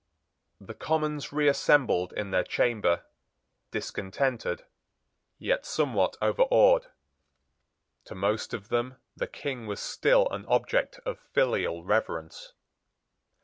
The Commons reassembled in their chamber, discontented, yet somewhat overawed. To most of them the King was still an object of filial reverence.